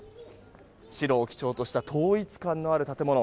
白を基調とした統一感のある建物。